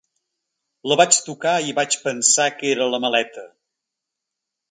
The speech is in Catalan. La vaig tocar i vaig pensar que era la maleta.